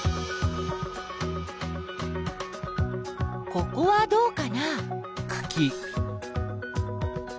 ここはどうかな？